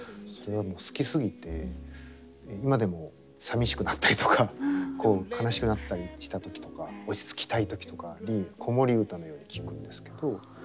それがもう好きすぎて今でもさみしくなったりとかこう悲しくなったりした時とか落ち着きたい時とかに子守唄のように聴くんですけど。